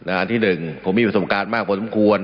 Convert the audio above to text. อันที่หนึ่งผมมีประสบการณ์มากพอสมควร